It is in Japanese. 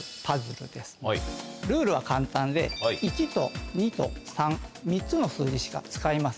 ルールは簡単で１と２と３３つの数字しか使いません。